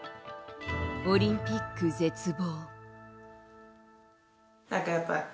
オリンピック絶望。